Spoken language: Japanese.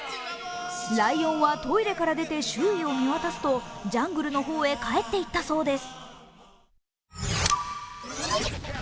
ライオンはトイレから出て周囲を見渡すと、ジャングルの方へ帰って行ったそうです。